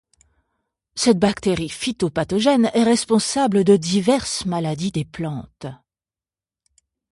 Cette bactérie phytopathogène est responsable de diverses maladies des plantes.